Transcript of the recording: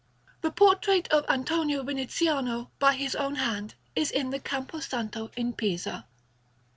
The portrait of Antonio Viniziano, by his own hand, is in the Campo Santo in Pisa.